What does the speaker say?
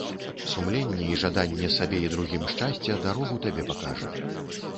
Сумленне і жаданне сабе і другім шчасця дарогу табе пакажа.